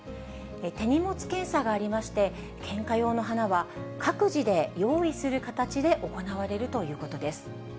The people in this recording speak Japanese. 手荷物検査がありまして、献花用の花は各自で用意する形で行われるということです。